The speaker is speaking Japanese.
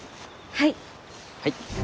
はい。